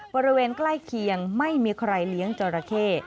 บริเวณใกล้เคียงไม่มีใครเลี้ยงจราเข้